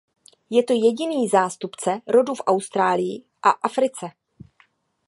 Je to jediný zástupce rodu v Austrálii a Africe.